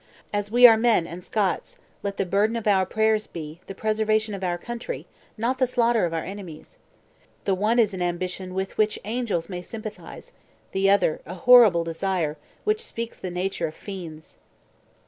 As we are men and Scots, let the burden of our prayers be, the preservation of our country, not the slaughter of our enemies! The one is an ambition, with which angels may sympathize; the other, a horrible desire, which speaks the nature of fiends."